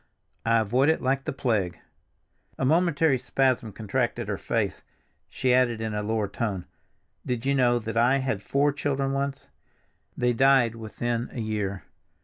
I avoid it like the plague!" A momentary spasm contracted her face; she added in a lower tone, "Did you know that I had four children once? They died within a year."